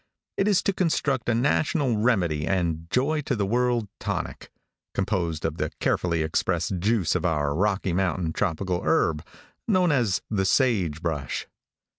It is to construct a national remedy and joy to the world tonic, composed of the carefully expressed juice of our Rocky mountain tropical herb, known as the sage brush.